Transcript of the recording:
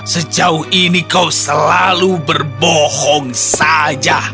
sejauh ini kau selalu berbohong saja